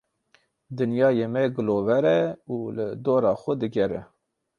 Dinyaya me girover e û li dora xwe digere.